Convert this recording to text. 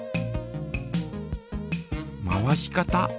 回し方。